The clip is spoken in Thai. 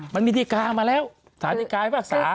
มันมีดีการ์มาแล้วสาธิการ์ให้ฝากศา